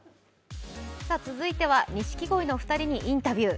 続いては錦鯉のお二人にインタビュー。